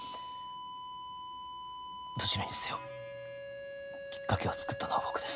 どちらにせよきっかけを作ったのは僕です。